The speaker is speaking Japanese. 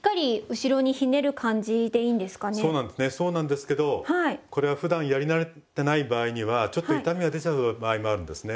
そうなんですねそうなんですけどこれはふだんやり慣れてない場合にはちょっと痛みが出ちゃう場合もあるんですね。